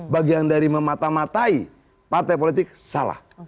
bagian dari memata matai partai politik salah